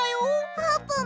あーぷん！